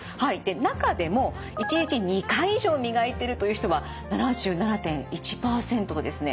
中でも１日２回以上磨いてるという人は７７．１％ですね。